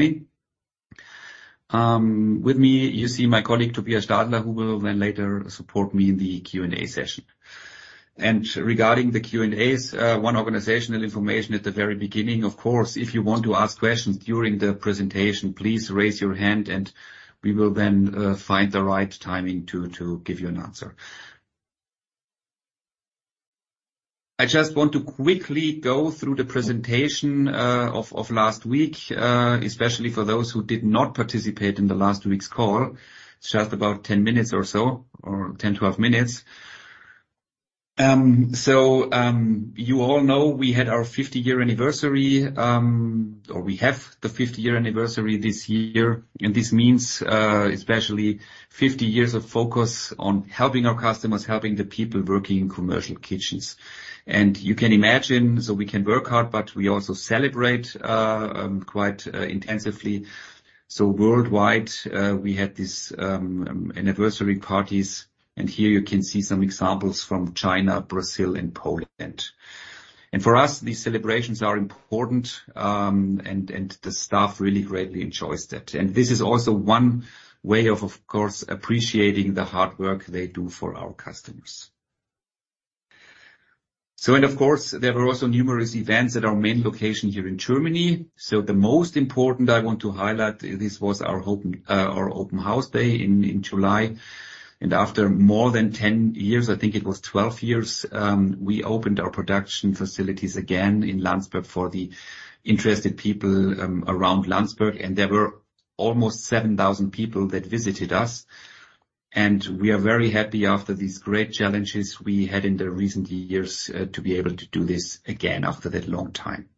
Morning. With me, you see my colleague, Tobias Stadler, who will then later support me in the Q&A session. Regarding the Q&As, one organizational information at the very beginning, of course, if you want to ask questions during the presentation, please raise your hand and we will then find the right timing to give you an answer. I just want to quickly go through the presentation of last week, especially for those who did not participate in the last week's call. It's just about 10 minutes or so, or 10-12 minutes. You all know we had our 50-year anniversary, or we have the 50-year anniversary this year, and this means especially 50 years of focus on helping our customers, helping the people working in commercial kitchens. You can imagine, we can work hard, but we also celebrate, quite intensively. Worldwide, we had this anniversary parties, and here you can see some examples from China, Brazil and Poland. For us, these celebrations are important, and the staff really greatly enjoys that. This is also one way of, of course, appreciating the hard work they do for our customers. Of course, there were also numerous events at our main location here in Germany. The most important I want to highlight, this was our open house day in July. After more than 10 years, I think it was 12 years, we opened our production facilities again in Landsberg for the interested people around Landsberg, and there were almost 7,000 people that visited us. We are very happy after these great challenges we had in the recent years, to be able to do this again after that long time.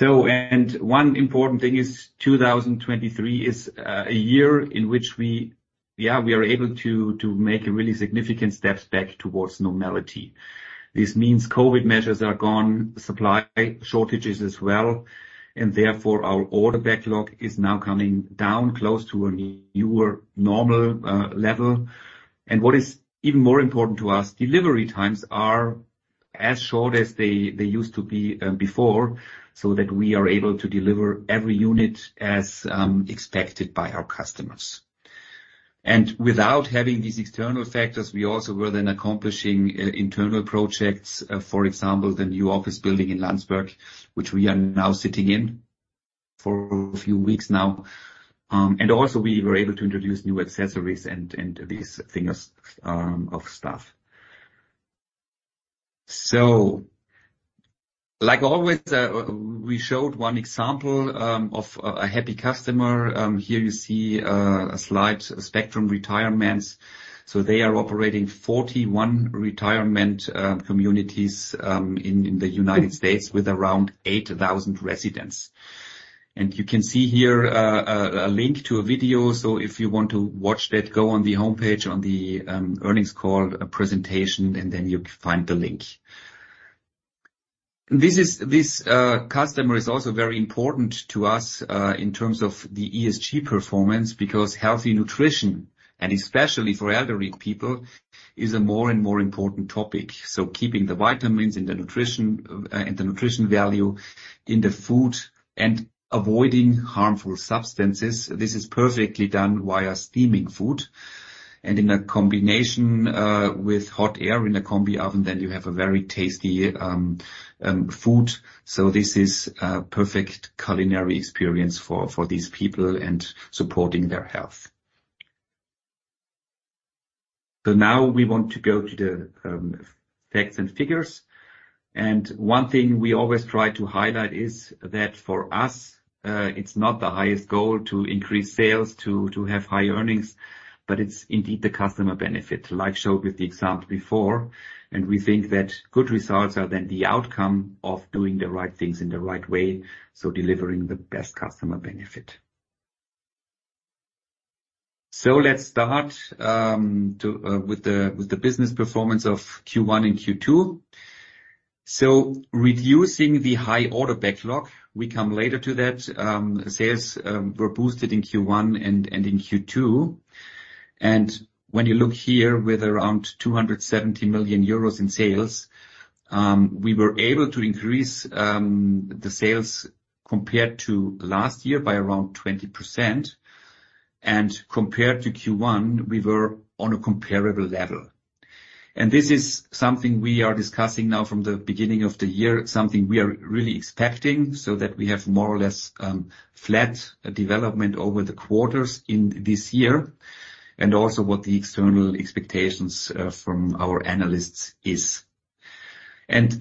One important thing is 2023 is a year in which we, yeah, we are able to, to make a really significant steps back towards normality. This means COVID measures are gone, supply shortages as well, and therefore our order backlog is now coming down close to a newer, normal level. What is even more important to us, delivery times are as short as they, they used to be before, so that we are able to deliver every unit as expected by our customers. Without having these external factors, we also were then accomplishing internal projects, for example, the new office building in Landsberg, which we are now sitting in for a few weeks now. Also we were able to introduce new accessories and these things of stuff. Like always, we showed one example of a happy customer. Here you see a slide, Spectrum Retirement. They are operating 41 retirement communities in the United States with around 8,000 residents. You can see here a link to a video. If you want to watch that, go on the homepage on the earnings call presentation, and then you find the link. This customer is also very important to us in terms of the ESG performance, because healthy nutrition, and especially for elderly people, is a more and more important topic. Keeping the vitamins and the nutrition and the nutrition value in the food and avoiding harmful substances, this is perfectly done via steaming food, and in a combination with hot air in a combi oven, then you have a very tasty food. This is a perfect culinary experience for, for these people and supporting their health. Now we want to go to the facts and figures. One thing we always try to highlight is that for us, it's not the highest goal to increase sales, to, to have high earnings, but it's indeed the customer benefit, like showed with the example before. We think that good results are then the outcome of doing the right things in the right way, so delivering the best customer benefit. Let's start with the business performance of Q1 and Q2. Reducing the high order backlog, we come later to that, sales were boosted in Q1 and in Q2. When you look here, with around 270 million euros in sales, we were able to increase the sales compared to last year by around 20%, and compared to Q1, we were on a comparable level. This is something we are discussing now from the beginning of the year, something we are really expecting, so that we have more or less flat development over the quarters in this year, and also what the external expectations from our analysts is.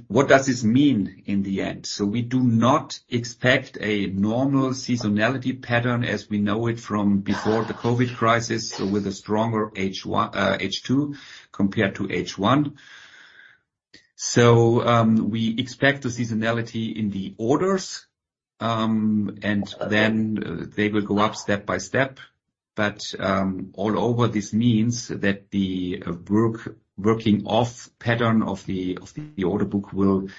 What does this mean in the end? We do not expect a normal seasonality pattern as we know it from before the COVID crisis, with a stronger H2 compared to H1. We expect the seasonality in the orders, and then they will go up step by step. All over this means that the working off pattern of the order book will,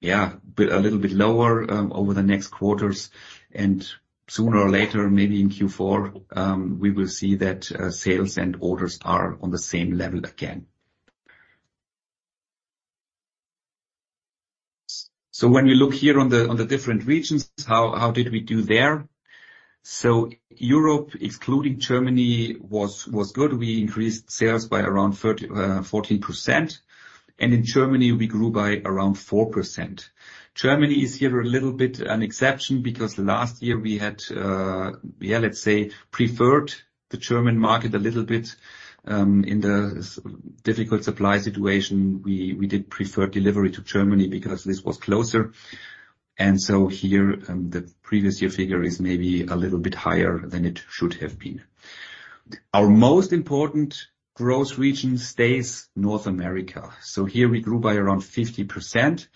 yeah, be a little bit lower over the next quarters, and sooner or later, maybe in Q4, we will see that sales and orders are on the same level again. When we look here on the different regions, how did we do there? Europe, excluding Germany, was good. We increased sales by around 30, 14%, and in Germany, we grew by around 4%. Germany is here a little bit an exception, because last year we had, yeah, let's say, preferred the German market a little bit in the difficult supply situation. We did prefer delivery to Germany because this was closer. Here, the previous year figure is maybe a little bit higher than it should have been. Our most important growth region stays North America. Here we grew by around 50%,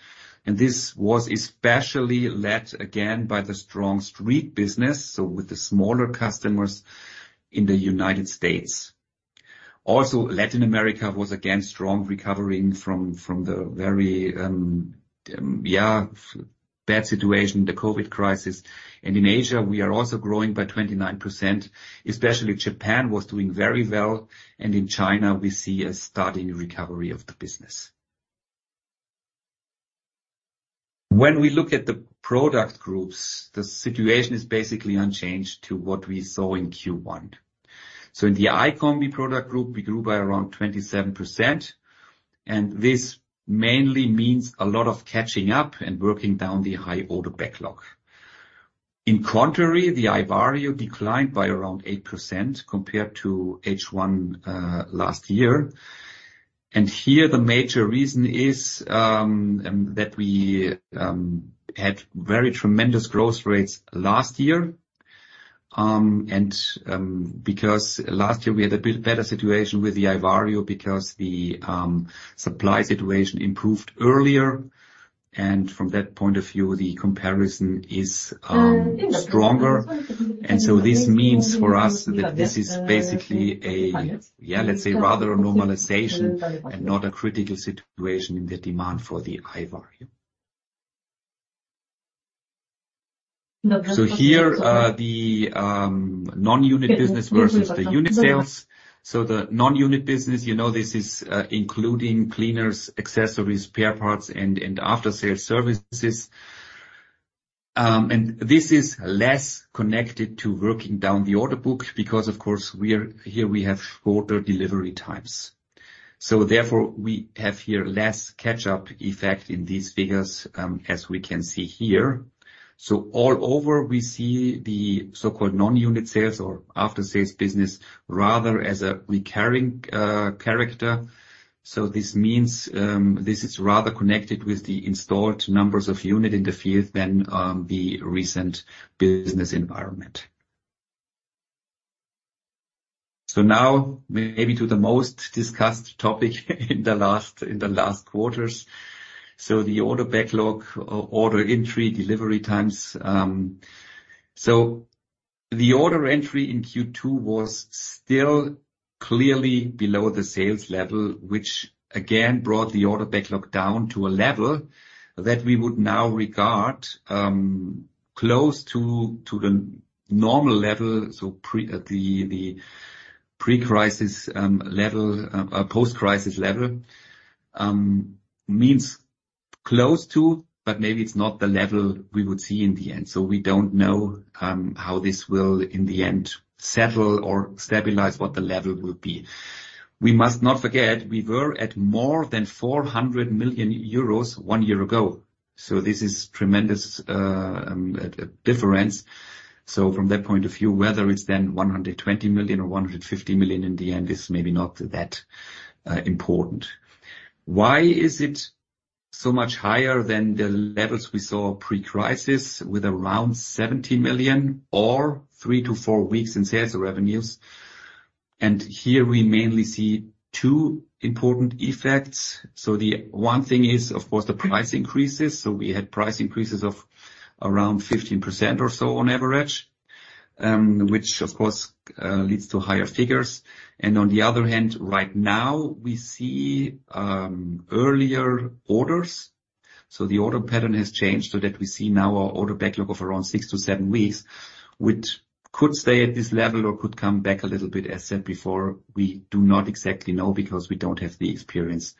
and this was especially led again, by the strong street business, so with the smaller customers in the United States. Latin America was again strong, recovering from the very bad situation, the COVID crisis. In Asia, we are also growing by 29%. Especially Japan was doing very well, and in China, we see a starting recovery of the business. When we look at the product groups, the situation is basically unchanged to what we saw in Q1. In the iCombi product group, we grew by around 27%, and this mainly means a lot of catching up and working down the high order backlog. In contrary, the iVario declined by around 8% compared to H1 last year. Here, the major reason is that we had very tremendous growth rates last year. Because last year we had a bit better situation with the iVario, because the supply situation improved earlier, and from that point of view, the comparison is stronger. This means for us that this is basically a, yeah, let's say, rather a normalization and not a critical situation in the demand for the iVario. Here, the non-unit business versus the unit sales. The non-unit business, you know, this is including cleaners, accessories, spare parts, and after-sales services. This is less connected to working down the order book because, of course, we are-- here we have shorter delivery times, therefore we have here less catch-up effect in these figures, as we can see here. All over, we see the so-called non-unit business or after-sales business, rather as a recurring character. This means, this is rather connected with the installed numbers of unit in the field than the recent business environment. Now, maybe to the most discussed topic in the last, in the last quarters. The order backlog, order entry, delivery times. The order entry in Q2 was still clearly below the sales level, which again, brought the order backlog down to a level that we would now regard, close to, to the normal level. The pre-crisis level, post-crisis level means close to, but maybe it's not the level we would see in the end, so we don't know how this will in the end, settle or stabilize, what the level will be. We must not forget, we were at more than 400 million euros one year ago, so this is tremendous difference. From that point of view, whether it's then 120 million or 150 million in the end, is maybe not that important. Why is it so much higher than the levels we saw pre-crisis with around 70 million or three to four weeks in sales revenues? Here we mainly see two important effects. The one thing is, of course, the price increases. We had price increases of around 15% or so on average, which of course, leads to higher figures. On the other hand, right now we see earlier orders. The order pattern has changed so that we see now our order backlog of around 6-7 weeks, which could stay at this level or could come back a little bit. As said before, we do not exactly know, because we don't have the experience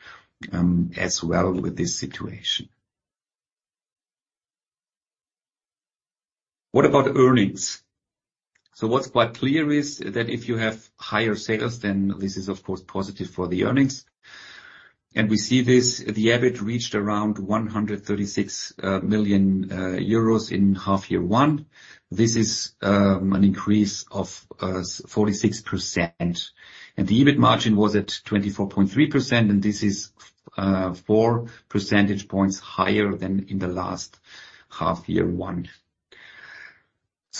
as well with this situation. What about earnings? What's quite clear is that if you have higher sales, then this is, of course, positive for the earnings, and we see this. The EBIT reached around 136 million euros in H1. This is an increase of 46%. The EBIT margin was at 24.3%. This is 4 percentage points higher than in the last H1.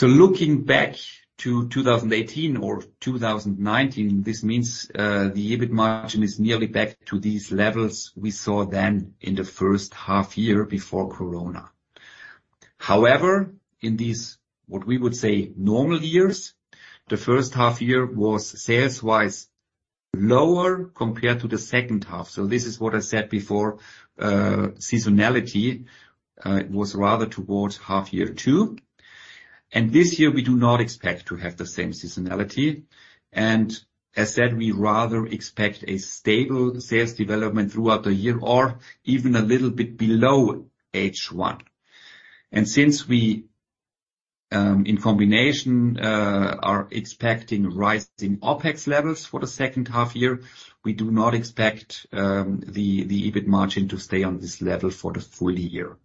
Looking back to 2018 or 2019, this means the EBIT margin is nearly back to these levels we saw then in the H1 before Corona. In these, what we would say, normal years, the H1 was sales-wise, lower compared to the H2. This is what I said before, seasonality. It was rather towards H2. This year, we do not expect to have the same seasonality, and as said, we rather expect a stable sales development throughout the year, or even a little bit below H1. Since we, in combination, are expecting rising OpEx levels for the second half year, we do not expect the EBIT margin to stay on this level for the full year.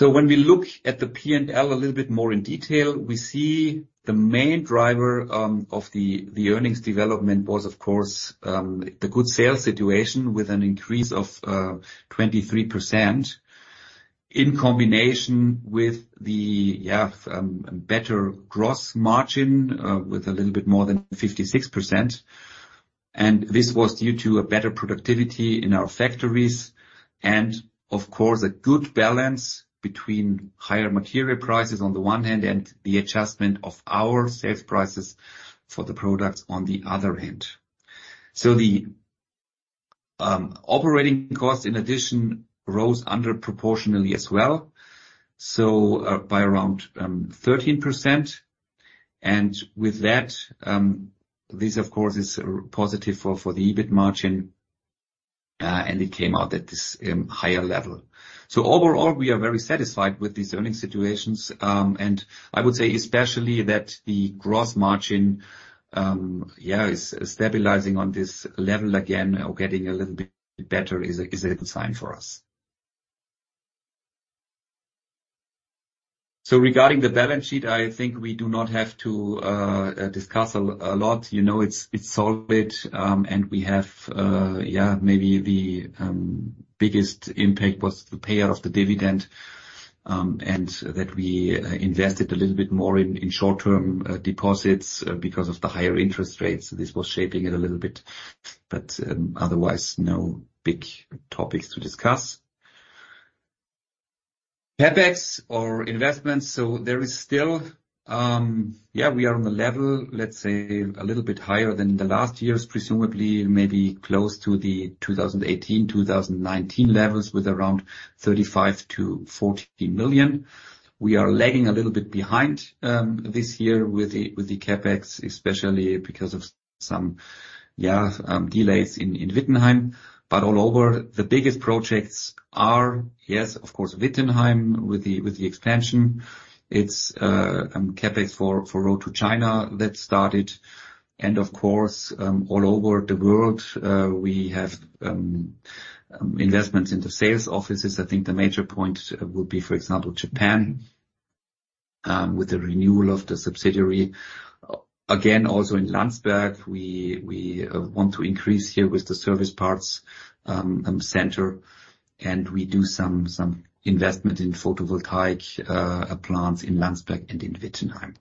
When we look at the P&L a little bit more in detail, we see the main driver of the earnings development was, of course, the good sales situation, with an increase of 23%, in combination with the better gross margin, with a little bit more than 56%. This was due to a better productivity in our factories, and of course, a good balance between higher material prices on the one hand, and the adjustment of our sales prices for the products on the other hand. The operating costs, in addition, rose under proportionally as well, by around 13%. With that, this of course, is positive for, for the EBIT margin, and it came out at this higher level. Overall, we are very satisfied with these earning situations. And I would say especially that the gross margin, yeah, is stabilizing on this level again or getting a little bit better is a, is a good sign for us. Regarding the balance sheet, I think we do not have to discuss a lot. You know, it's, it's solid, and we have... Yeah, maybe the biggest impact was the payout of the dividend, and that we invested a little bit more in, in short-term deposits because of the higher interest rates. This was shaping it a little bit, but otherwise, no big topics to discuss. CapEx or investments, there is still, yeah, we are on a level, let's say, a little bit higher than the last years, presumably, maybe close to the 2018, 2019 levels, with around 35 million-40 million. We are lagging a little bit behind this year with the CapEx, especially because of some, yeah, delays in Wittenheim. All over, the biggest projects are, yes, of course, Wittenheim, with the expansion. It's CapEx for Road to China that started. Of course, all over the world, we have investments in the sales offices. I think the major point would be, for example, Japan, with the renewal of the subsidiary. Again, also in Landsberg, we, we want to increase here with the service parts center, and we do some investment in photovoltaic plants in Landsberg and in Wittenheim.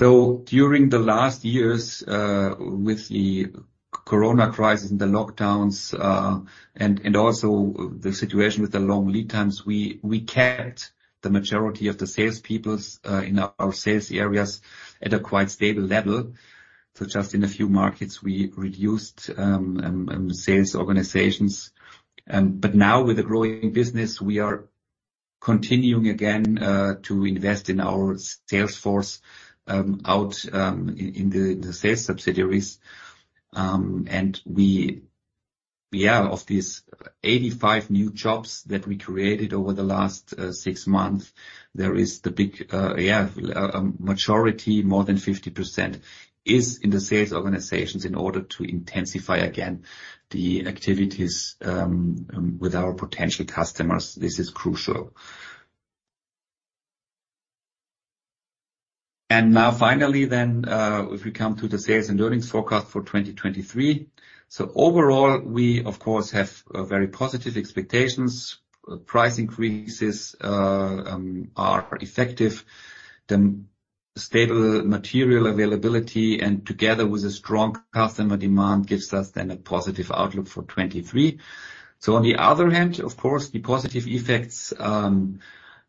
During the last years, with the Corona crisis and the lockdowns, and also the situation with the long lead times, we, we kept the majority of the sales peoples in our sales areas at a quite stable level. Just in a few markets, we reduced sales organizations. Now with the growing business, we are continuing again to invest in our sales force out in the sales subsidiaries. We, we are of these 85 new jobs that we created over the last six months, there is the big majority, more than 50% is in the sales organizations in order to intensify again the activities with our potential customers. This is crucial. Now finally, then, if we come to the sales and earnings forecast for 2023. Overall, we of course, have very positive expectations. Price increases are effective. The stable material availability and together with a strong customer demand, gives us then a positive outlook for 2023. On the other hand, of course, the positive effects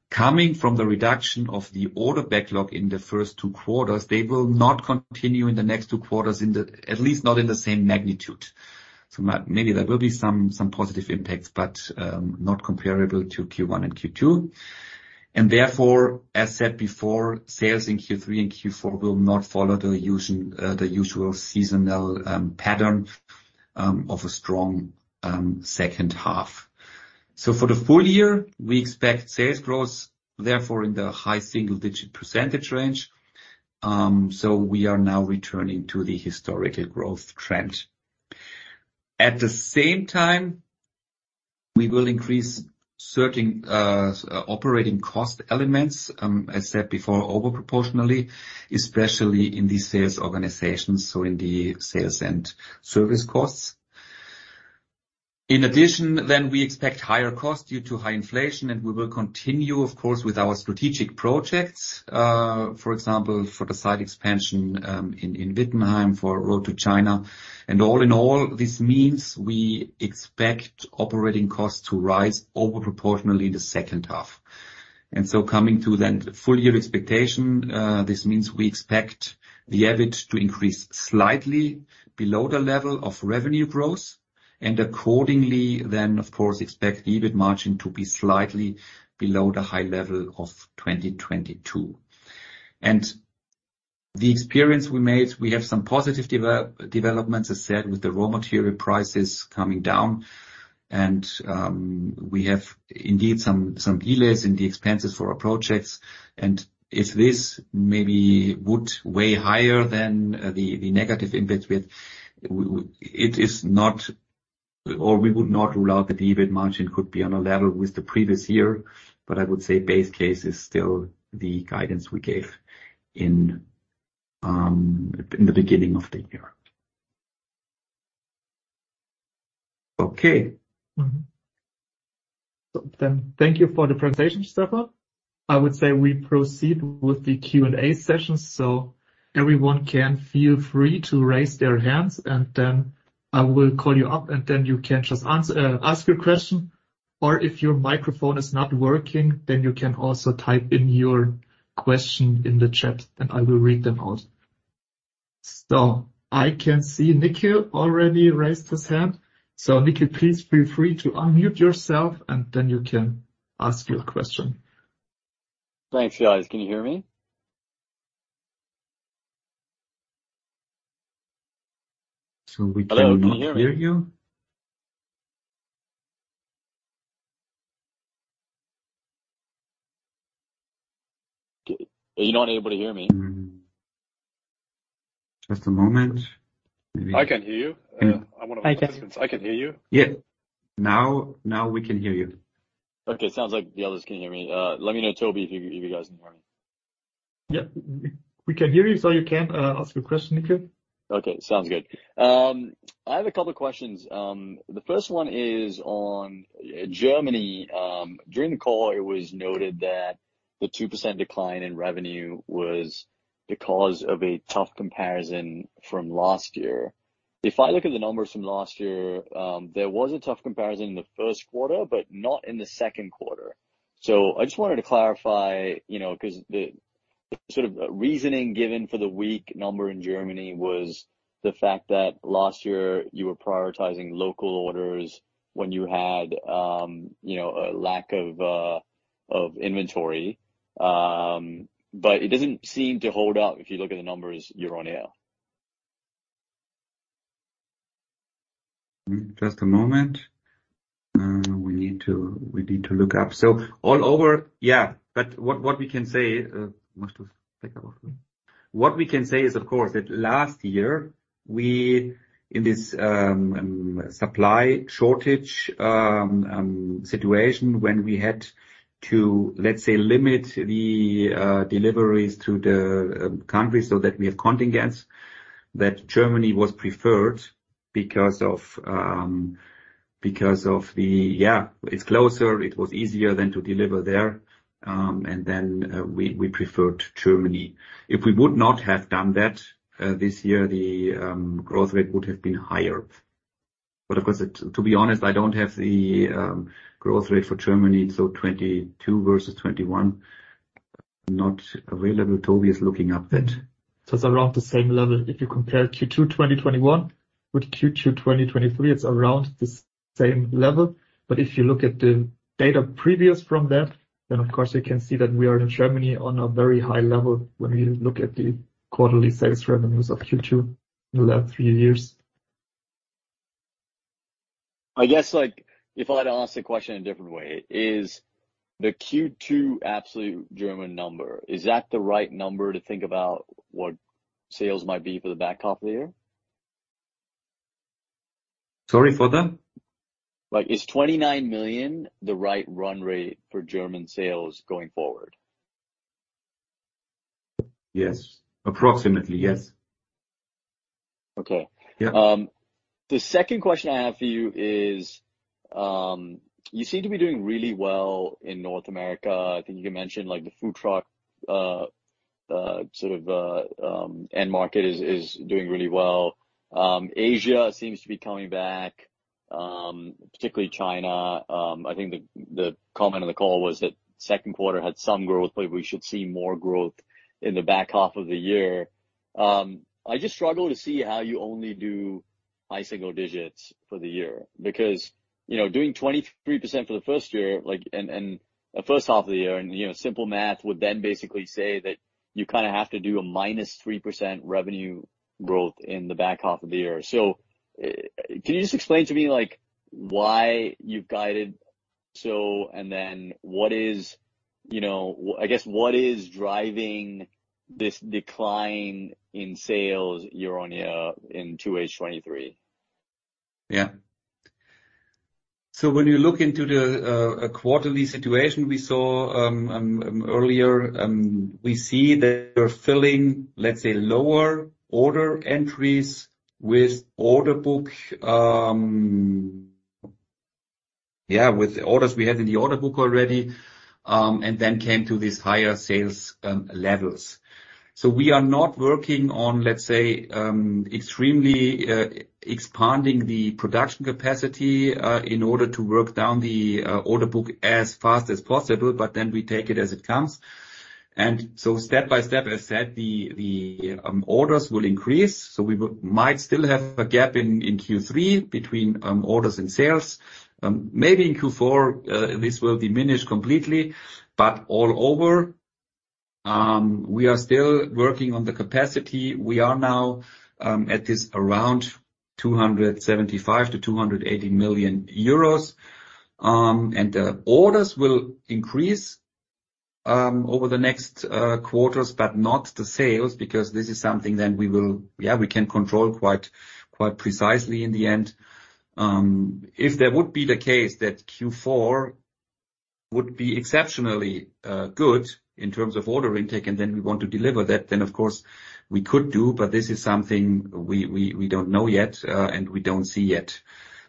coming from the reduction of the order backlog in the first two quarters, they will not continue in the next two quarters at least not in the same magnitude. Maybe there will be some, some positive impacts, but not comparable to Q1 and Q2. Therefore, as said before, sales in Q3 and Q4 will not follow the usual, the usual seasonal pattern of a strong second half. For the full year, we expect sales growth, therefore in the high single digit % range. We are now returning to the historical growth trend. At the same time, we will increase certain operating cost elements, as said before, over proportionally, especially in the sales organizations, so in the sales and service costs. In addition, we expect higher costs due to high inflation, and we will continue, of course, with our strategic projects, for example, for the site expansion, in Wittenheim, for Road to China. All in all, this means we expect operating costs to rise over proportionally in the second half. Coming to then full year expectation, this means we expect the EBIT to increase slightly below the level of revenue growth, and accordingly, then, of course, expect the EBIT margin to be slightly below the high level of 2022. The experience we made, we have some positive developments, as said, with the raw material prices coming down, and we have indeed some, some delays in the expenses for our projects. If this maybe would way higher than the, the negative impact with, it is not, or we would not rule out that the EBIT margin could be on a level with the previous year. I would say base case is still the guidance we gave in, in the beginning of the year. Okay. Mm-hmm. Thank you for the presentation, Stefan. I would say we proceed with the Q&A session, so everyone can feel free to raise their hands, and then I will call you up, and then you can just answer, ask your question. If your microphone is not working, then you can also type in your question in the chat, and I will read them out. I can see Nikki already raised his hand. Nikki, please feel free to unmute yourself, and then you can ask your question. Thanks, guys. Can you hear me? So we cannot- Hello, can you hear me? hear you. Are you not able to hear me? Mm. Just a moment. Maybe- I can hear you. Yeah. I'm one of the participants. I can hear you. Yeah. Now, now we can hear you. Okay. Sounds like the others can hear me. Let me know, Toby, if you, if you guys can hear me. Yeah, w-we can hear you, so you can ask your question, Nikki. Okay. Sounds good. I have a couple questions. The first one is on Germany. During the call, it was noted that the 2% decline in revenue was because of a tough comparison from last year. If I look at the numbers from last year, there was a tough comparison in the Q1, but not in the Q2. I just wanted to clarify, you know, because the, the sort of reasoning given for the weak number in Germany was the fact that last year you were prioritizing local orders when you had, you know, a lack of inventory. It doesn't seem to hold up if you look at the numbers year-on-year. Just a moment. We need to, we need to look up. All over, yeah, but what, what we can say, must you take off. What we can say is, of course, that last year, we in this supply shortage situation, when we had to, let's say, limit the deliveries to the country so that we have contingents, that Germany was preferred because of because of the... Yeah, it's closer. It was easier than to deliver there, then we, we preferred Germany. If we would not have done that, this year, the growth rate would have been higher. Of course, it-- to be honest, I don't have the growth rate for Germany, 22 versus 21, not available. Toby is looking up that. It's around the same level. If you compare Q2 2021 with Q2 2023, it's around the same level. If you look at the data previous from that, then of course, you can see that we are in Germany on a very high level when we look at the quarterly sales revenues of Q2 in the last 3 years. I guess, like, if I had to ask the question a different way, is the Q2 absolute German number, is that the right number to think about what sales might be for the back half of the year? Sorry for the? Like, is 29 million the right run rate for German sales going forward? Yes. Approximately, yes. Okay. Yeah. The second question I have for you is, you seem to be doing really well in North America. I think you mentioned, the food truck end market is doing really well. Asia seems to be coming back, particularly China. I think the comment on the call was that Q2 had some growth, but we should see more growth in the back half of the year. I just struggle to see how you only do high single digits for the year, because, you know, doing 23% for the first year, and first half of the year, and, you know, simple math would then basically say that you have to do a -3% revenue growth in the back half of the year. Can you just explain to me, like, why you've guided so, and then what is, you know, I guess, what is driving this decline in sales year on year in H2 2023? Yeah. When you look into the quarterly situation we saw earlier, we see that we're filling, let's say, lower order entries with order book. Yeah, with the orders we had in the order book already, and then came to these higher sales levels. We are not working on, let's say, extremely expanding the production capacity in order to work down the order book as fast as possible. We take it as it comes. Step by step, as said, the orders will increase, so we might still have a gap in Q3 between orders and sales. Maybe in Q4, this will diminish completely, but all over, we are still working on the capacity. We are now at this around 275 million-280 million euros. The orders will increase over the next quarters, but not the sales, because this is something that we will, yeah, we can control quite, quite precisely in the end. If that would be the case, that Q4 would be exceptionally good in terms of order intake, and then we want to deliver that, then of course, we could do, but this is something we, we, we don't know yet and we don't see yet.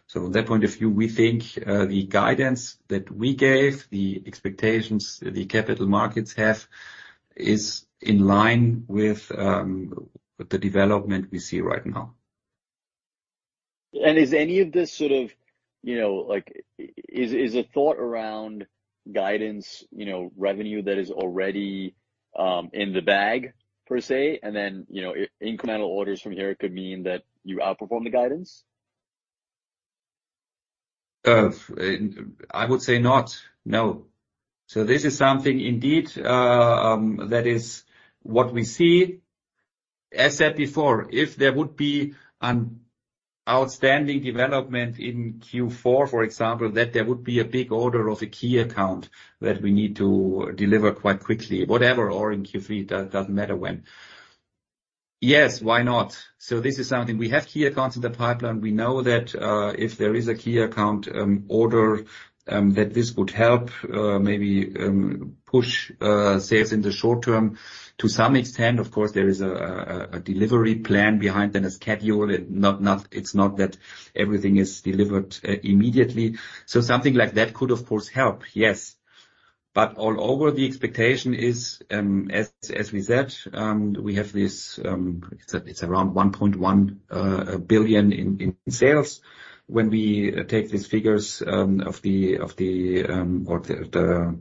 From that point of view, we think the guidance that we gave, the expectations the capital markets have, is in line with the development we see right now. Is any of this sort of, you know, like, is, is a thought around guidance, you know, revenue that is already in the bag, per se, and then, you know, incremental orders from here could mean that you outperform the guidance? I would say not, no. This is something indeed that is what we see. As said before, if there would be an outstanding development in Q4, for example, that there would be a big order of a key account that we need to deliver quite quickly, whatever, or in Q3, that doesn't matter when. Yes, why not? This is something. We have key accounts in the pipeline. We know that if there is a key account order that this would help maybe push sales in the short term. To some extent, of course, there is a delivery plan behind the schedule. It's not that everything is delivered immediately. Something like that could, of course, help. Yes. All over the expectation is, as we said, we have this, it's around 1.1 billion in sales. When we take these figures, of the, or the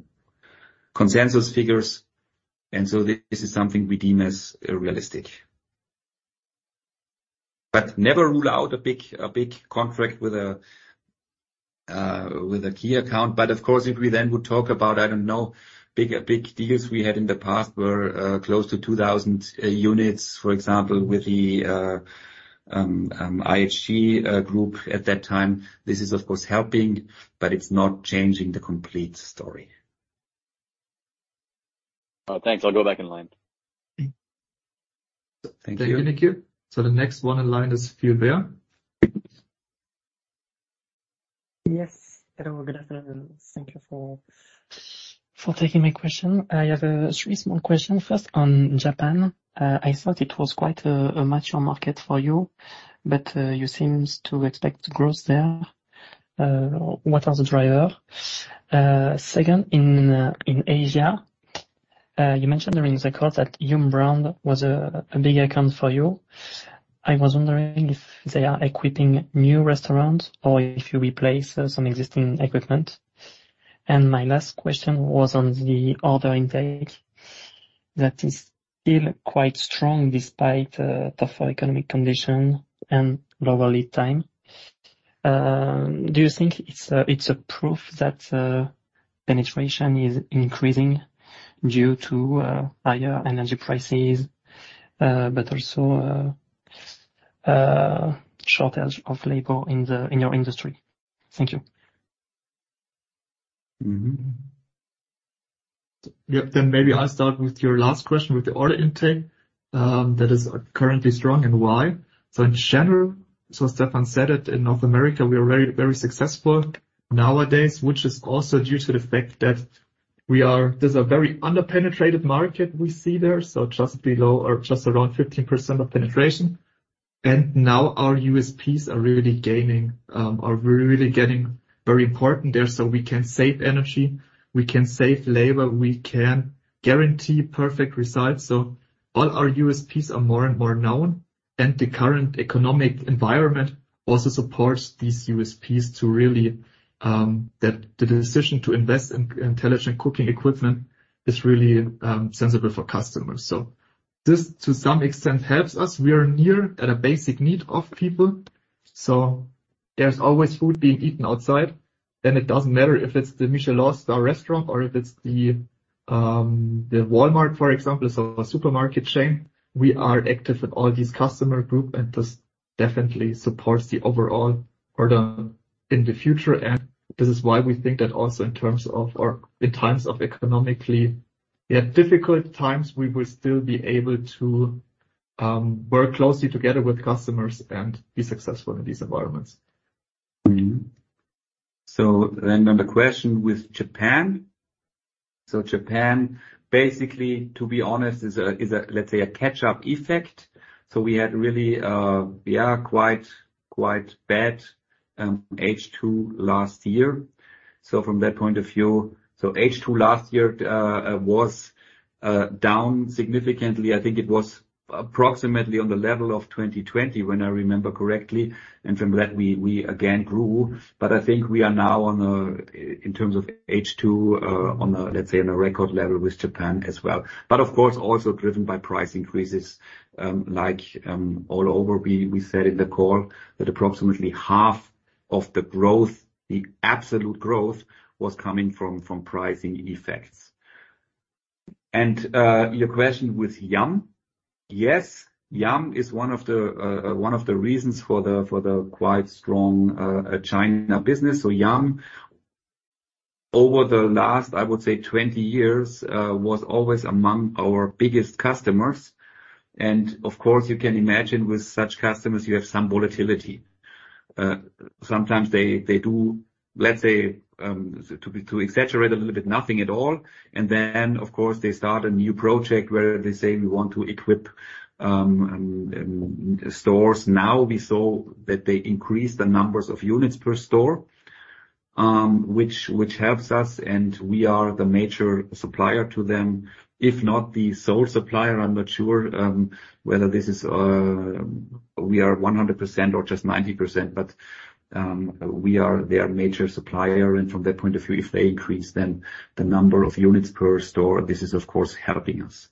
consensus figures, and so this is something we deem as realistic. Never rule out a big contract with a key account. Of course, if we then would talk about, I don't know, big deals we had in the past were close to 2,000 units, for example, with the IHG Group at that time. This is, of course, helping, but it's not changing the complete story. Thanks. I'll go back in line. Thank you. Thank you. The next one in line is Philippe Vermeil. Yes. Hello, good afternoon, and thank you for, for taking my question. I have three small questions. First, on Japan. I thought it was quite a, a mature market for you, but you seems to expect growth there. What are the driver? Second, in Asia, you mentioned during the call that Yum! Brands was a, a big account for you. I was wondering if they are equipping new restaurants or if you replace some existing equipment. My last question was on the order intake, that is still quite strong despite tougher economic conditions and lower lead time. Do you think it's a, it's a proof that penetration is increasing due to higher energy prices, but also shortage of labor in your industry? Thank you. Mm-hmm. Yep. Maybe I'll start with your last question, with the order intake, that is currently strong and why. In general, Stefan said it, in North America, we are very, very successful nowadays, which is also due to the fact that there's a very underpenetrated market we see there, just below or just around 15% of penetration. Now our USPs are really gaining, are really getting very important there. We can save energy, we can save labor, we can guarantee perfect results. All our USPs are more and more known, and the current economic environment also supports these USPs to really, that the decision to invest in intelligent cooking equipment is really sensible for customers. This, to some extent, helps us. We are near at a basic need of people, so there's always food being eaten outside, then it doesn't matter if it's the Michelin star restaurant or if it's the, the Walmart, for example, so a supermarket chain. We are active in all these customer group, and this definitely supports the overall order in the future, and this is why we think that also in terms of in times of economically, yeah, difficult times, we will still be able to, work closely together with customers and be successful in these environments. Then on the question with Japan. Japan, basically, to be honest, is a, is a, let's say, a catch-up effect. We had really, we are quite, quite bad, H2 last year. From that point of view, H2 last year, was down significantly. I think it was approximately on the level of 2020, when I remember correctly, and from that, we, we again grew. I think we are now on a, in terms of H2, on a, let's say, on a record level with Japan as well. Of course, also driven by price increases, like, all over. We, we said in the call that approximately 50% of the growth, the absolute growth, was coming from, from pricing effects. Your question with Yum!? Yes, Yum! is one of the reasons for the quite strong China business. Yum!, over the last, I would say 20 years, was always among our biggest customers, and of course, you can imagine with such customers, you have some volatility. Sometimes they, they do, let's say, to, to exaggerate a little bit, nothing at all. Then, of course, they start a new project where they say, "We want to equip stores now." We saw that they increased the numbers of units per store, which, which helps us, and we are the major supplier to them, if not the sole supplier. I'm not sure, whether this is, we are 100% or just 90%, but, we are their major supplier, and from that point of view, if they increase, then the number of units per store, this is, of course, helping us.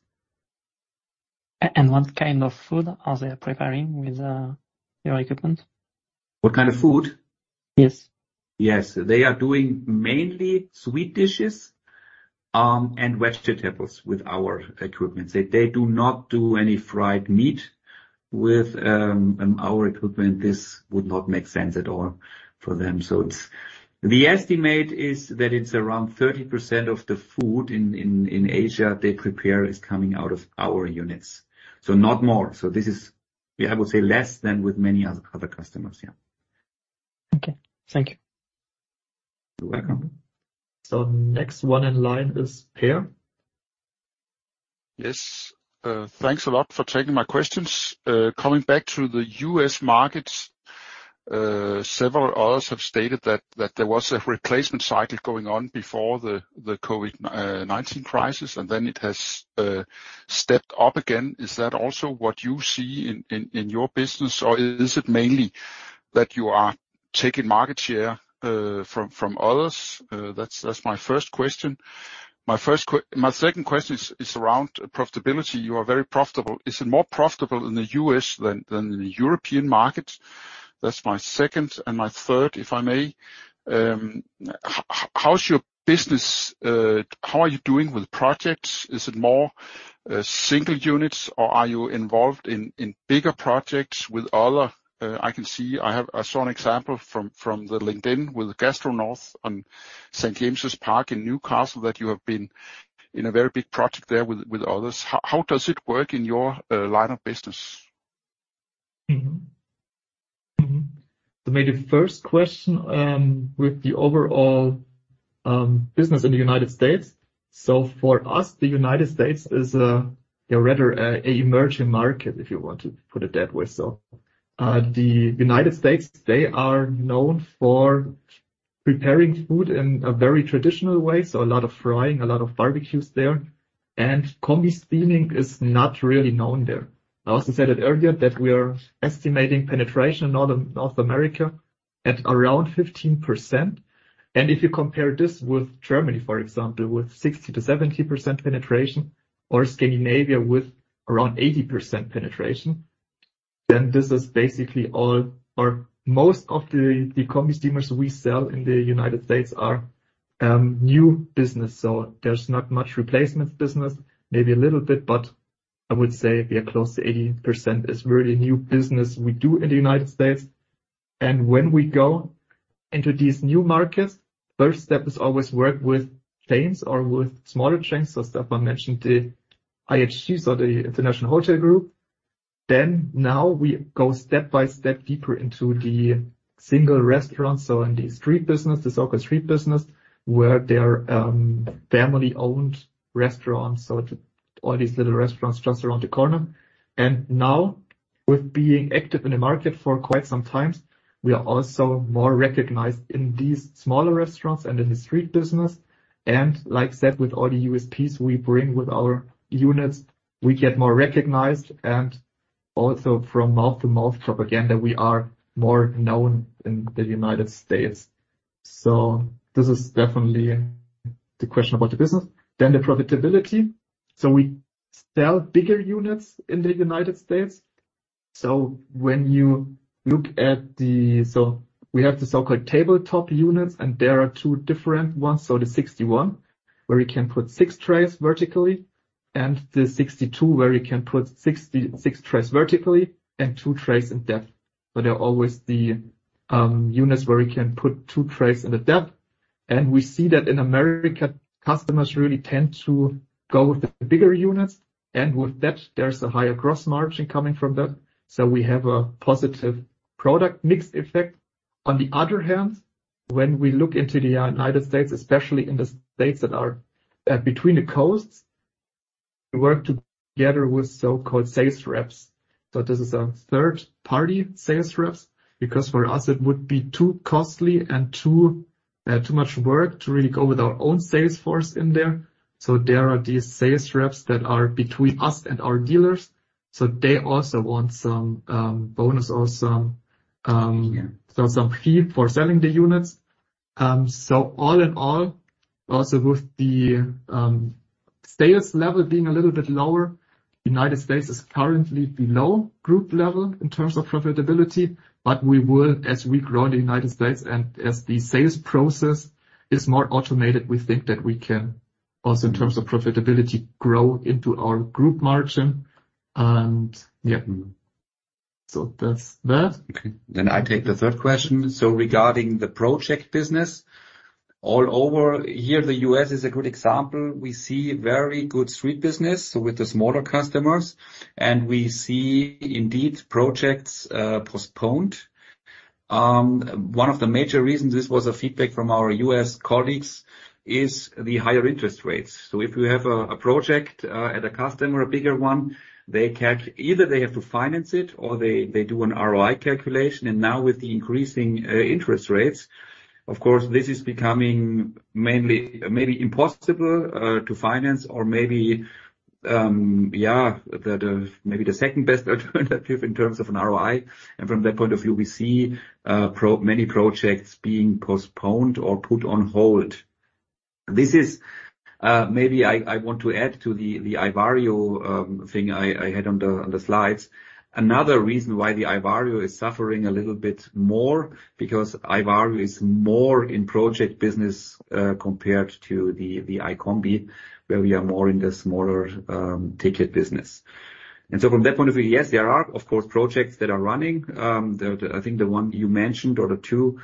What kind of food are they preparing with your equipment? What kind of food? Yes. Yes. They are doing mainly sweet dishes and vegetables with our equipment. They, they do not do any fried meat with our equipment. This would not make sense at all for them. The estimate is that it's around 30% of the food in Asia they prepare is coming out of our units, so not more. This is, I would say, less than with many other customers, yeah. Okay. Thank you. You're welcome. Next one in line is Peter. Yes, thanks a lot for taking my questions. Coming back to the U.S. markets, several others have stated that, that there was a replacement cycle going on before the COVID 19 crisis, and then it has stepped up again. Is that also what you see in, in, in your business, or is it mainly that you are taking market share from, from others? That's, that's my first question. My second question is, is around profitability. You are very profitable. Is it more profitable in the U.S. than, than in the European market? That's my second and my third, if I may. How's your business? How are you doing with projects? Is it more single units, or are you involved in, in bigger projects with other... I can see, I saw an example from the LinkedIn with Gastro North on St. James's Park in Newcastle, that you have been in a very big project there with, with others. How does it work in your line of business? Maybe the first question, with the overall business in the United States. For us, the United States is a rather emerging market, if you want to put it that way. The United States, they are known for preparing food in a very traditional way, a lot of frying, a lot of barbecues there, and combi steaming is not really known there. I also said it earlier that we are estimating penetration in North America at around 15%. If you compare this with Germany, for example, with 60%-70% penetration, or Scandinavia with around 80% penetration, this is basically all or most of the combi steamers we sell in the United States are new business. There's not much replacement business, maybe a little bit, but I would say we are close to 80% is really new business we do in the United States. When we go into these new markets, first step is always work with chains or with smaller chains. Stefan mentioned the IHG, so the InterContinental Hotels Group. Now we go step by step deeper into the single restaurants, so in the street business, the so-called street business, where there are family-owned restaurants, so all these little restaurants just around the corner. Now, with being active in the market for quite some times, we are also more recognized in these smaller restaurants and in the street business. Like I said, with all the USPs we bring with our units, we get more recognized and also from mouth to mouth propaganda, we are more known in the United States. This is definitely the question about the business, then the profitability. We sell bigger units in the United States. When you look at the so-called tabletop units, and there are two different ones. The 6-1/1, where you can put six trays vertically, and the 6-2/1, where you can put six trays vertically and two trays in depth. They're always the units where you can put two trays in the depth. We see that in America, customers really tend to go with the bigger units, and with that, there's a higher gross margin coming from that. We have a positive product mix effect. On the other hand- When we look into the United States, especially in the states that are between the coasts, we work together with so-called sales reps. This is a third-party sales reps, because for us, it would be too costly and too much work to really go with our own sales force in there. There are these sales reps that are between us and our dealers, so they also want some bonus or some fee for selling the units. All in all, also with the sales level being a little bit lower, United States is currently below group level in terms of profitability, but we will, as we grow in the United States and as the sales process is more automated, we think that we can also, in terms of profitability, grow into our group margin. Yeah, so that's that. Okay, I take the third question. Regarding the project business, all over, here, the U.S. is a good example. We see very good street business, so with the smaller customers, and we see indeed projects postponed. One of the major reasons, this was a feedback from our U.S. colleagues, is the higher interest rates. If you have a project at a customer, a bigger one, either they have to finance it or they, they do an ROI calculation. Now with the increasing interest rates, of course, this is becoming mainly, maybe impossible to finance or maybe, yeah, the maybe the second best alternative in terms of an ROI. From that point of view, we see many projects being postponed or put on hold. This is, maybe I, I want to add to the iVario thing I, I had on the slides. Another reason why the iVario is suffering a little bit more, because iVario is more in project business compared to the iCombi, where we are more in the smaller ticket business. From that point of view, yes, there are, of course, projects that are running. The, the, I think the one you mentioned or the two,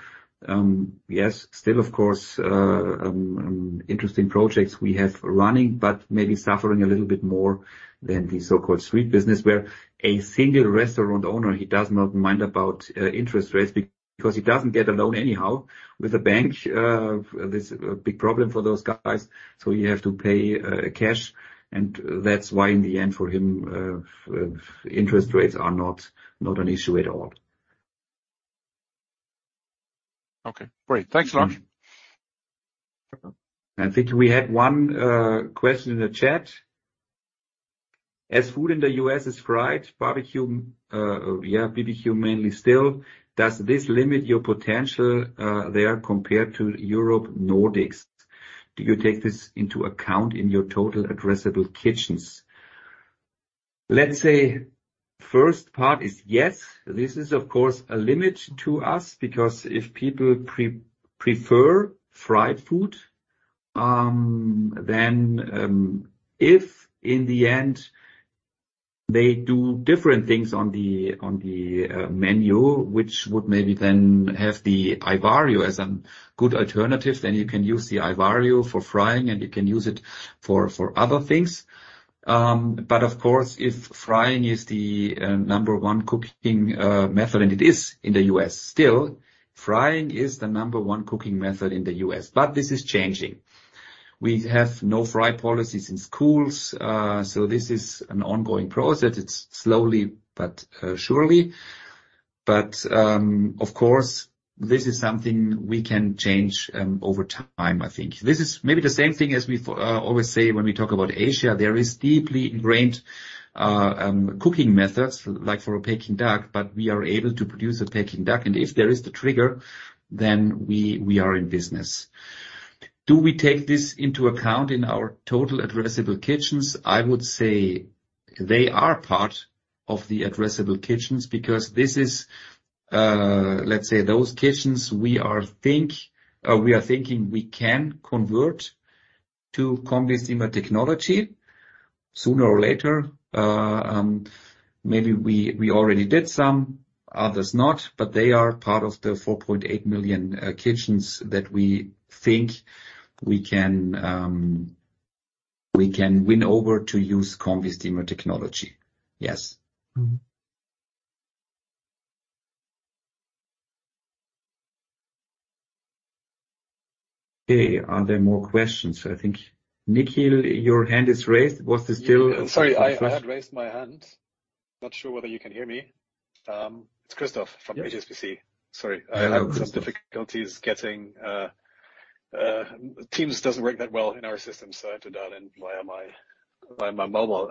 yes, still, of course, interesting projects we have running, but maybe suffering a little bit more than the so-called street business, where a single restaurant owner, he does not mind about interest rates because he doesn't get a loan anyhow. With a bank, this is a big problem for those guys, so you have to pay cash, and that's why in the end, for him, interest rates are not, not an issue at all. Okay, great. Thanks a lot. I think we had one question in the chat. As food in the U.S. is fried, barbecue, yeah, BBQ mainly still, does this limit your potential there compared to Europe, Nordics? Do you take this into account in your total addressable kitchens? Let's say, first part is yes. This is, of course, a limit to us, because if people pre-prefer fried food, then if in the end, they do different things on the, on the menu, which would maybe then have the iVario as a good alternative, then you can use the iVario for frying and you can use it for, for other things. Of course, if frying is the number one cooking method, and it is in the U.S., still, frying is the number one cooking method in the U.S. This is changing. We have no fry policies in schools, so this is an ongoing process. It's slowly but surely. Of course, this is something we can change over time, I think. This is maybe the same thing as we always say when we talk about Asia. There is deeply ingrained cooking methods, like for a Peking duck, but we are able to produce a Peking duck, and if there is the trigger, then we, we are in business. Do we take this into account in our total addressable kitchens? I would say they are part of the addressable kitchens because this is, let's say, those kitchens we are thinking we can convert to combi steamer technology sooner or later. Maybe we, we already did some, others not, but they are part of the 4.8 million kitchens that we think we can win over to use combi steamer technology. Yes. Okay. Are there more questions? I think, Nikki, your hand is raised. Was this you? Sorry, I had raised my hand. Not sure whether you can hear me. It's Christoph from HSBC. Sorry. I have some difficulties getting, Teams doesn't work that well in our system, so I have to dial in via my, via my mobile.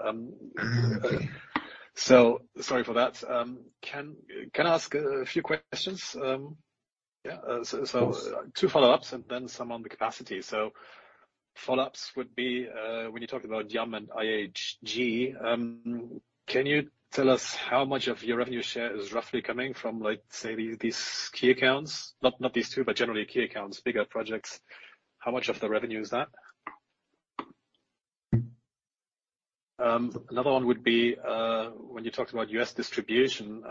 Sorry for that. Can I ask a few questions? Yeah, two follow-ups and then some on the capacity. Follow-ups would be, when you talk about Yum! and IHG, can you tell us how much of your revenue share is roughly coming from, like, say, these, these key accounts? Not these two, but generally key accounts, bigger projects. How much of the revenue is that? Another one would be, when you talked about U.S. distribution,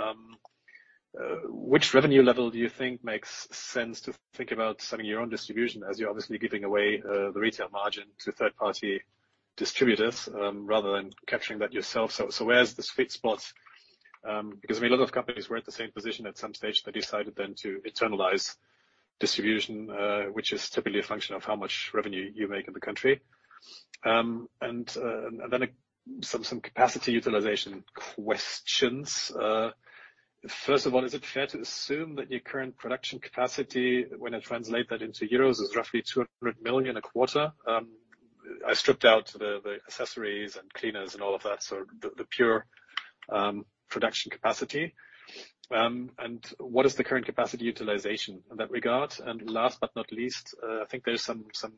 which revenue level do you think makes sense to think about setting your own distribution, as you're obviously giving away, the retail margin to third-party-?... distributors, rather than capturing that yourself. Where's the sweet spot? Because, I mean, a lot of companies were at the same position at some stage. They decided then to externalize distribution, which is typically a function of how much revenue you make in the country. Then some, some capacity utilization questions. First of all, is it fair to assume that your current production capacity, when I translate that into euros, is roughly 200 million a quarter? I stripped out the, the accessories and cleaners and all of that, so the, the pure, production capacity. What is the current capacity utilization in that regard? Last but not least, I think there's some, some,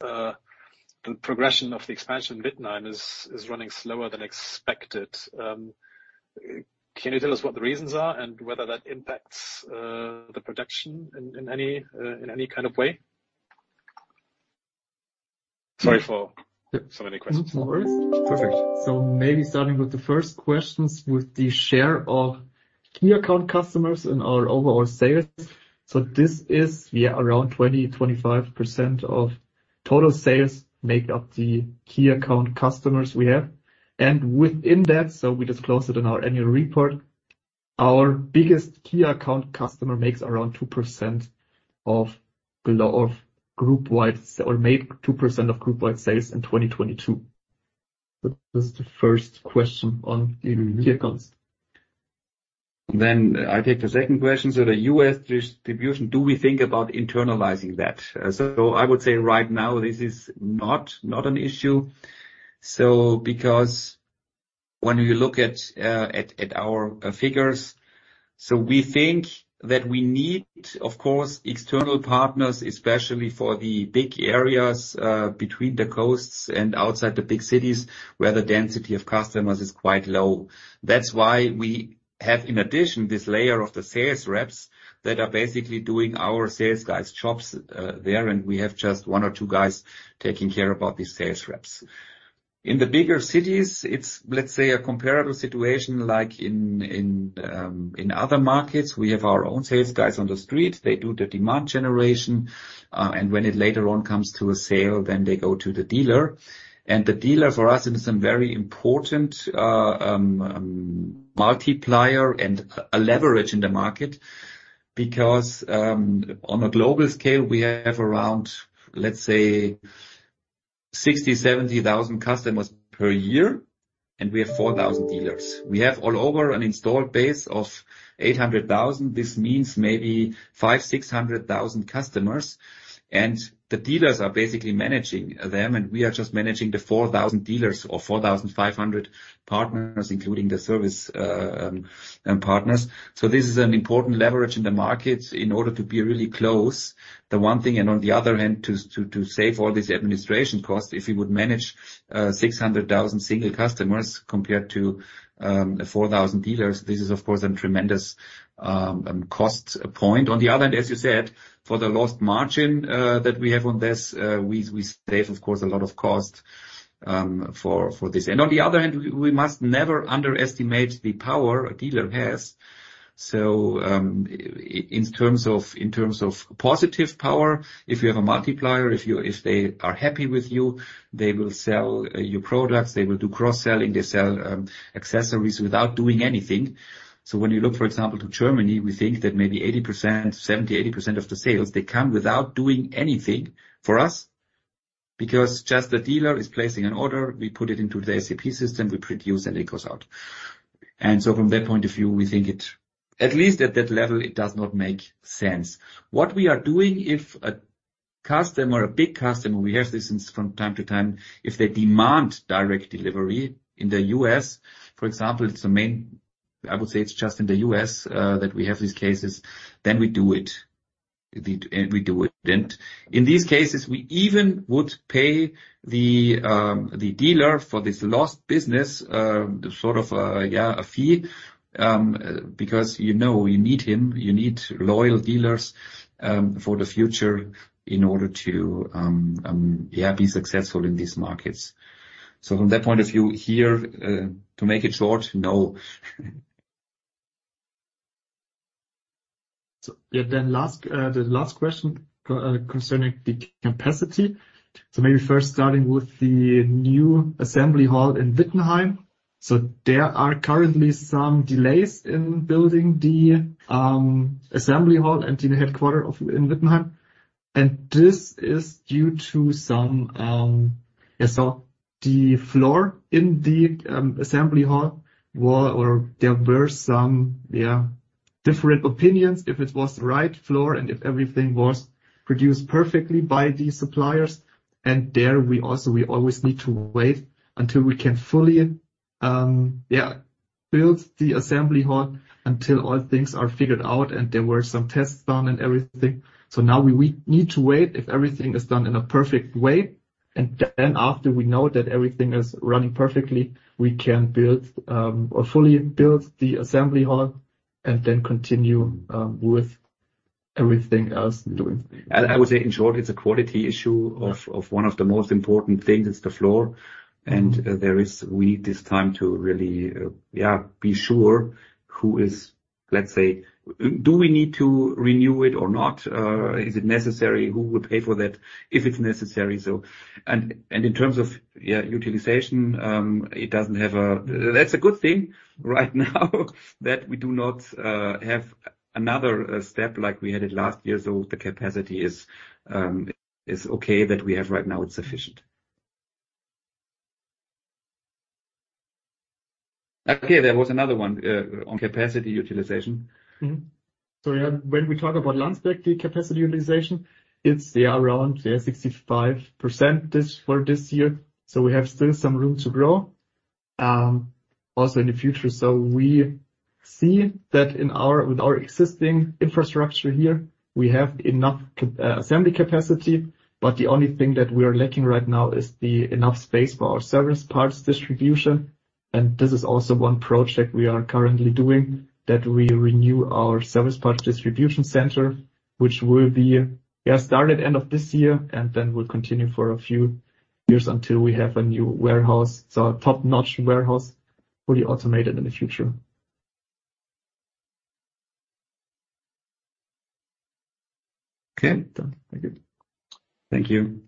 the progression of the expansion in Wittenheim is, is running slower than expected. Can you tell us what the reasons are and whether that impacts the production in, in any, in any kind of way? Sorry for so many questions. No worries. Perfect. Maybe starting with the first questions, with the share of key account customers in our overall sales. This is, yeah, around 20-25% of total sales make up the key account customers we have. Within that, we disclose it in our annual report, our biggest key account customer makes around 2% of below- of group wide- or made 2% of group wide sales in 2022. That's the first question on the key accounts. I take the second question. The U.S. distribution, do we think about internalizing that? I would say right now, this is not, not an issue. Because when you look at our figures, so we think that we need, of course, external partners, especially for the big areas, between the coasts and outside the big cities, where the density of customers is quite low. That's why we have, in addition, this layer of the sales reps that are basically doing our sales guys' jobs, there, and we have just one or two guys taking care about these sales reps. In the bigger cities, it's, let's say, a comparable situation like in other markets. We have our own sales guys on the street. They do the demand generation, and when it later on comes to a sale, then they go to the dealer. The dealer for us is a very important multiplier and a leverage in the market, because on a global scale, we have around, let's say, 60,000-70,000 customers per year, and we have 4,000 dealers. We have all over an installed base of 800,000. This means maybe 500,000-600,000 customers, and the dealers are basically managing them, and we are just managing the 4,000 dealers or 4,500 partners, including the service partners. This is an important leverage in the market in order to be really close, the one thing, and on the other hand, to save all this administration costs. If you would manage 600,000 single customers compared to 4,000 dealers, this is of course, a tremendous cost point. On the other hand, as you said, for the lost margin that we have on this, we save, of course, a lot of cost for this. On the other hand, we must never underestimate the power a dealer has. In terms of, in terms of positive power, if you have a multiplier, if you, if they are happy with you, they will sell your products, they will do cross-selling, they sell accessories without doing anything. When you look, for example, to Germany, we think that maybe 80%, 70%-80% of the sales, they come without doing anything for us, because just the dealer is placing an order, we put it into the SAP system, we produce, and it goes out. From that point of view, we think it, at least at that level, it does not make sense. What we are doing, if a customer, a big customer, we have this from time to time, if they demand direct delivery in the U.S., for example, it's the main... I would say it's just in the U.S. that we have these cases, then we do it. We do it then. In these cases, we even would pay the dealer for this lost business, sort of, yeah, a fee, because you know you need him. You need loyal dealers for the future in order to be successful in these markets. From that point of view, here to make it short, no. Yeah, then last, the last question concerning the capacity. Maybe first starting with the new assembly hall in Wittenheim. There are currently some delays in building the assembly hall and the headquarter in Wittenheim, and this is due to some... The floor in the assembly hall, well, or there were some, yeah, different opinions, if it was the right floor and if everything was produced perfectly by the suppliers. There, we also, we always need to wait until we can fully, yeah, build the assembly hall until all things are figured out and there were some tests done and everything. Now we, we need to wait if everything is done in a perfect way, and then after we know that everything is running perfectly, we can build, or fully build the assembly hall and then continue, with everything else doing. I, I would say, in short, it's a quality issue of- Yeah. of one of the most important things, it's the floor. There is... We need this time to really, yeah, be sure who is-... Let's say, do we need to renew it or not? Is it necessary? Who would pay for that if it's necessary? In terms of, yeah, utilization, it doesn't have That's a good thing right now, that we do not have another step like we had it last year. The capacity is okay, that we have right now, it's sufficient. Okay, there was another one on capacity utilization. When we talk about Landsberg, the capacity utilization, it's they are around 65% for this year, so we have still some room to grow also in the future. We see that with our existing infrastructure here, we have enough cap assembly capacity, but the only thing that we are lacking right now is the enough space for our service parts distribution. This is also 1 project we are currently doing, that we renew our service parts distribution center, which will be start at end of this year, and then will continue for a few years until we have a new warehouse. A top-notch warehouse, fully automated in the future. Okay, done. Thank you. Thank you.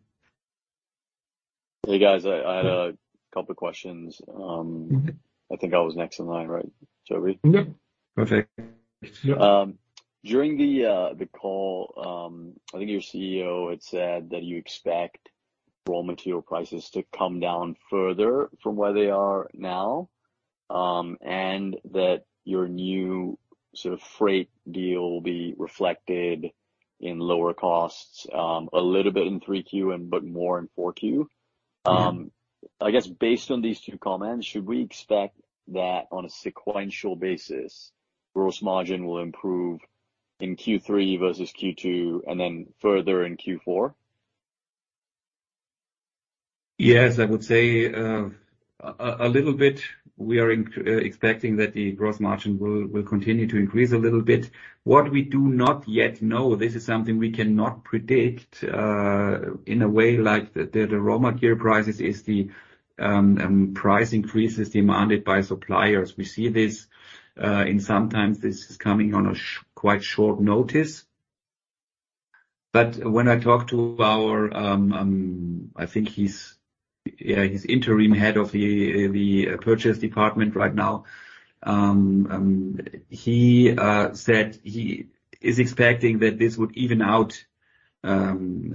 Hey, guys, I, I had a couple questions. Okay. I think I was next in line, right, Toby? Yep. Perfect. During the call, I think your CEO had said that you expect raw material prices to come down further from where they are now, and that your new sort of freight deal will be reflected in lower costs, a little bit in 3Q, and but more in 4Q. Yeah. I guess based on these two comments, should we expect that on a sequential basis, gross margin will improve in Q3 versus Q2, and then further in Q4? Yes, I would say, a little bit. We are expecting that the gross margin will continue to increase a little bit. What we do not yet know, this is something we cannot predict, in a way, like, the raw material prices is the price increases demanded by suppliers. We see this in sometimes this is coming on a quite short notice. When I talk to our, I think he's, yeah, he's interim head of the purchase department right now. He said he is expecting that this would even out. On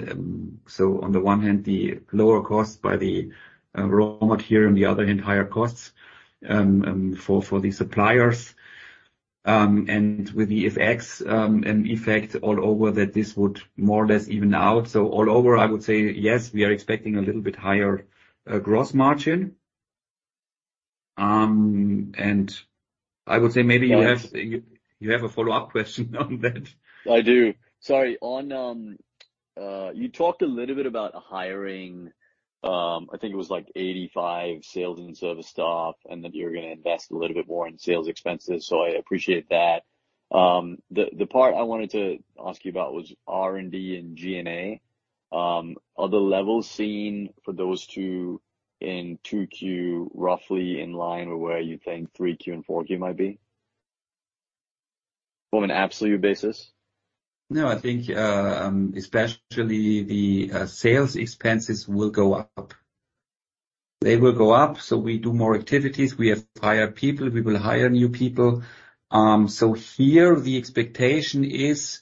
the one hand, the lower cost by the raw material, on the other hand, higher costs for the suppliers. With the FX, and effect all over, that this would more or less even out. All over, I would say, yes, we are expecting a little bit higher, gross margin. I would say maybe you have, you have a follow-up question on that? I do. Sorry. On, you talked a little bit about hiring, I think it was like 85 sales and service staff, and that you're gonna invest a little bit more in sales expenses. I appreciate that. The part I wanted to ask you about was R&D and G&A. Are the levels seen for those two in 2Q, roughly in line with where you think 3Q and 4Q might be? From an absolute basis. No, I think, especially the sales expenses will go up. They will go up, so we do more activities, we have higher people, we will hire new people. Here the expectation is,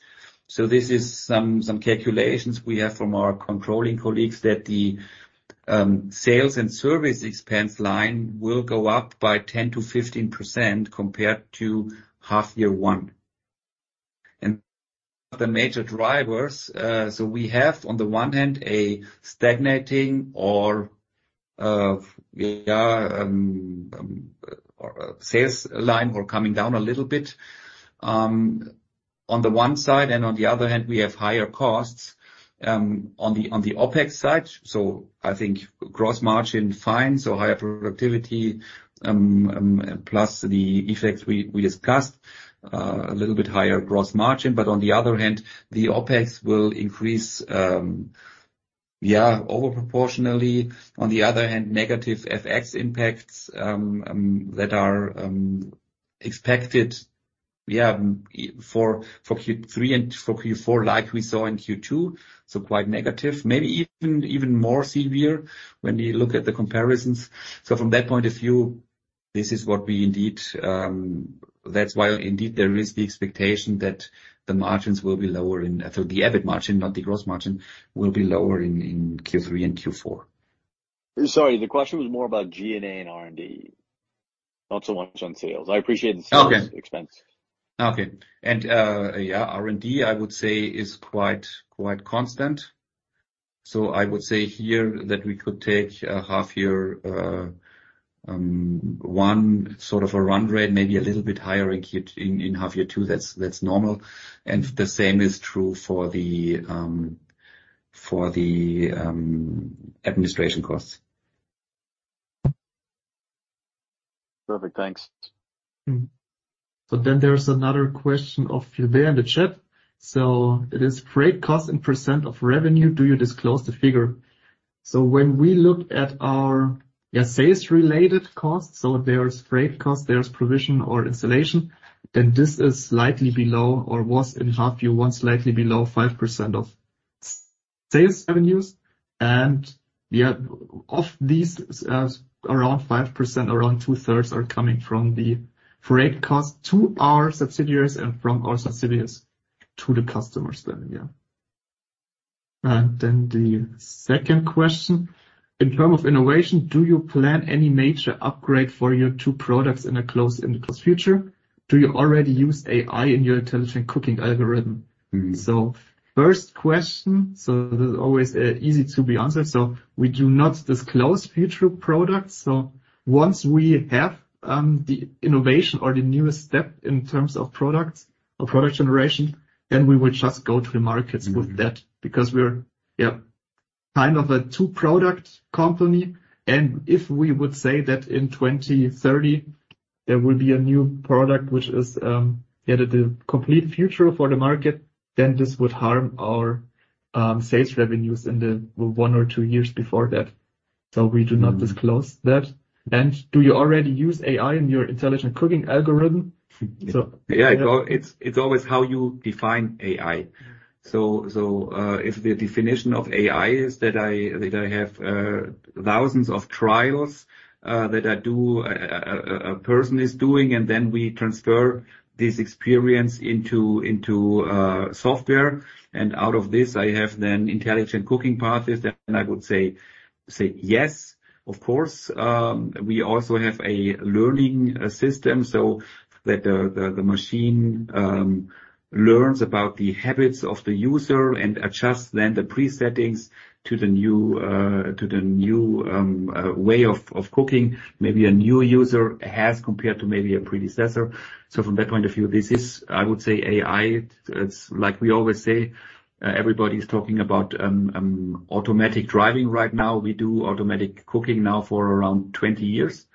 so this is some, some calculations we have from our controlling colleagues, that the sales and service expense line will go up by 10%-15% compared to H1. The major drivers, so we have, on the one hand, a stagnating or sales line, or coming down a little bit, on the one side, and on the other hand, we have higher costs on the OpEx side. I think gross margin, fine, so higher productivity, plus the effects we discussed, a little bit higher gross margin. On the other hand, the OpEx will increase, yeah, over proportionally. On the other hand, negative FX impacts that are expected, yeah, for Q3 and for Q4, like we saw in Q2, so quite negative, maybe even, even more severe when we look at the comparisons. From that point of view, this is what we indeed, that's why indeed, there is the expectation that the margins will be lower in... The EBIT margin, not the gross margin, will be lower in, in Q3 and Q4. Sorry, the question was more about G&A and R&D. Not so much on sales. I appreciate the sales- Okay. -expense. Okay. Yeah, R&D, I would say, is quite, quite constant. I would say here that we could take a half year, one sort of a run rate, maybe a little bit higher in half year two, that's, that's normal. The same is true for the, for the administration costs. Perfect. Thanks. Hmm. There's another question of you there in the chat. It is freight cost and % of revenue. Do you disclose the figure? When we look at our, yeah, sales related costs, there's freight costs, there's provision or installation, this is slightly below or was in H1, slightly below 5% of sales revenues. Yeah, of these, around 5%, around two-thirds are coming from the freight cost to our subsidiaries and from our subsidiaries to the customers then, yeah. The second question: In terms of innovation, do you plan any major upgrade for your two products in a close, in the close future? Do you already use AI in your intelligent cooking algorithm? First question, this is always easy to be answered. We do not disclose future products. Once we have the innovation or the newest step in terms of products or product generation, then we will just go to the markets with that because we're, yeah, kind of a two-product company. If we would say that in 2030, there will be a new product, which is the, the complete future for the market, then this would harm our sales revenues in the one or two years before that. We do not disclose that. Do you already use AI in your intelligent cooking algorithm? Yeah, it's, it's always how you define AI. If the definition of AI is that I, that I have thousands of trials that I do, a person is doing, and then we transfer this experience into, into software, and out of this, I have then intelligent cooking paths, then I would say, say yes, of course. We also have a learning system, so that the machine learns about the habits of the user and adjusts then the presettings to the new, to the new way of cooking, maybe a new user has compared to maybe a predecessor. So from that point of view, this is, I would say, AI. It's like we always say, everybody's talking about automatic driving right now. We do automatic cooking now for around 20 years.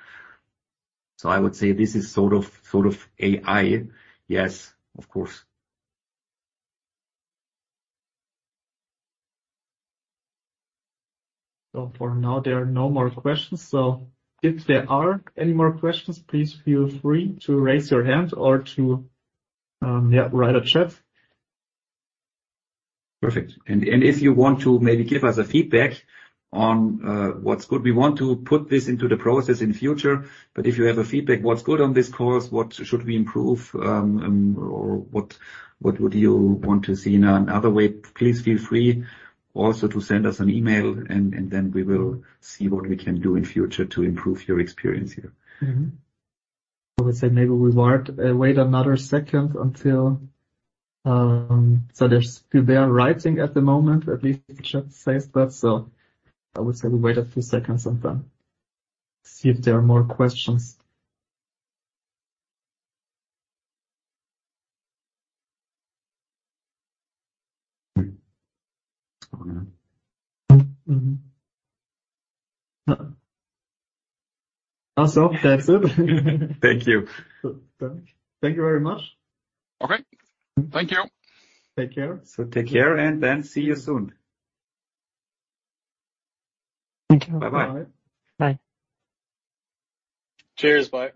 I would say this is sort of, sort of AI. Yes, of course. For now, there are no more questions. If there are any more questions, please feel free to raise your hand or to write up chat. Perfect. If you want to maybe give us a feedback on what's good, we want to put this into the process in future. If you have a feedback, what's good on this course, what should we improve, or what, what would you want to see in another way? Please feel free also to send us an email, and then we will see what we can do in future to improve your experience here. Mm-hmm. I would say maybe we wait, wait another second until. There's still they are writing at the moment, at least chat says that. I would say we wait a few seconds and then see if there are more questions. Mm-hmm. That's it. Thank you. Thank you very much. Okay. Thank you. Take care. Take care, then see you soon. Thank you. Bye-bye. Bye. Cheers. Bye.